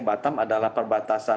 batam adalah perbatasan